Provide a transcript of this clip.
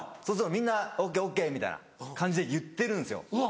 そうするとみんな「ＯＫＯＫ」みたいな感じで言ってるんですよ。